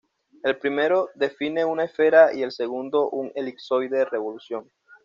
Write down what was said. El primero define una esfera y el segundo un elipsoide de revolución.